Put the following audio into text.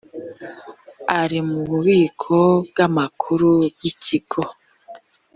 ari mu bubiko bw amakuru bw ikigo